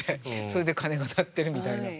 それで鐘が鳴ってるみたいな。